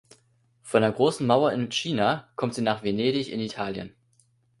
Von der Großen Mauer in China kommt sie nach Venedig in Italien.